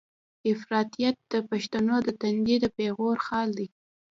افراطيت د پښتنو د تندي د پېغور خال دی.